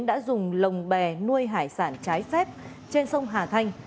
đã dùng lồng bè nuôi hải sản trái phép trên sông hà thanh